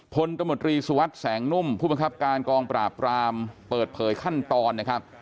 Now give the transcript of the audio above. ตมตรีสุวัสดิ์แสงนุ่มผู้บังคับการกองปราบรามเปิดเผยขั้นตอนนะครับ